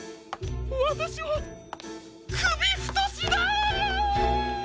わたしはくびふとしだ！